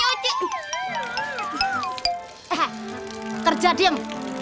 oh kerja diem